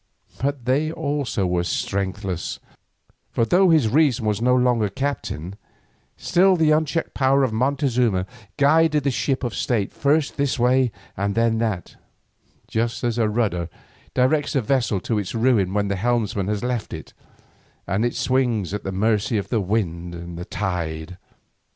But they also were strengthless, for though his reason was no longer captain, still the unchecked power of Montezuma guided the ship of state first this way and then that, just as a rudder directs a vessel to its ruin when the helmsman has left it, and it swings at the mercy of the wind and tide.